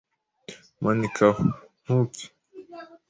Manika aho ,. Ntupfe